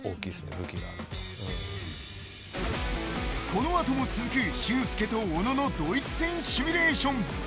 この後も続く俊輔と小野のドイツ戦シミュレーション。